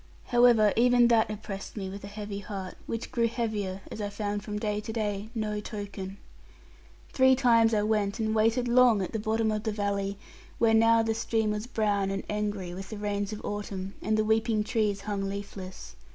However, even that oppressed me with a heavy heart, which grew heavier, as I found from day to day no token. Three times I went and waited long at the bottom of the valley, where now the stream was brown and angry with the rains of autumn, and the weeping trees hung leafless.